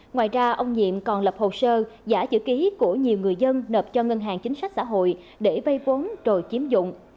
ngoài ra ông nhiệm còn lập hồ sơ giả chữ ký của nhiều người dân nộp cho ngân hàng chính sách xã hội để vay vốn rồi chiếm dụng